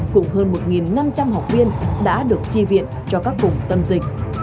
cùng hơn một năm trăm linh học viên đã được tri viện cho các vùng tâm dịch